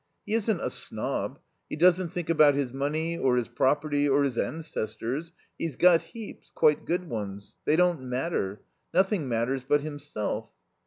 He isn't a snob. He doesn't think about his money or his property, or his ancestors he's got heaps quite good ones. They don't matter. Nothing matters but himself."